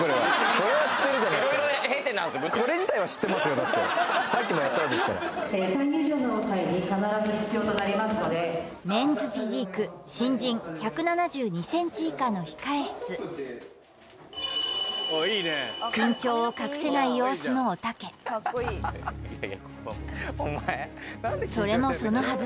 だってさっきもやったんですからメンズフィジーク新人１７２ｃｍ以下の控え室緊張を隠せない様子のおたけそれもそのはず